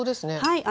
はい。